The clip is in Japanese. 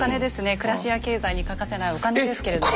暮らしや経済に欠かせないお金ですけれども。